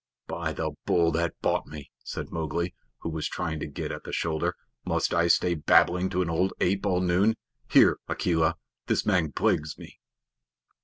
"By the Bull that bought me," said Mowgli, who was trying to get at the shoulder, "must I stay babbling to an old ape all noon? Here, Akela, this man plagues me."